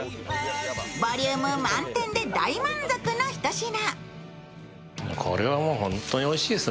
ボリューム満点で大満足のひと品。